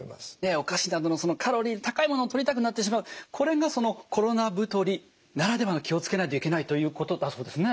お菓子などのカロリーの高いものをとりたくなってしまうこれがそのコロナ太りならではの気を付けないといけないということだそうですね。